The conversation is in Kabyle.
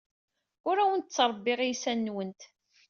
Ur awent-ttṛebbiɣ iysan-nwent.